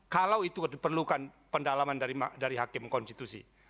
kalau itu diperlukan pendalaman dari hakim konstitusi